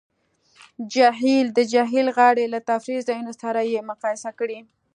د جهیل غاړې له تفریح ځایونو سره یې مقایسه کړئ